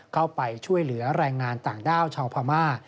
เข้าไปช่วยเหลือแรงงานต่างด้าวชาวพม่า